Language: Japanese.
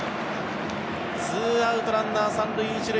２アウト、ランナー３塁１塁。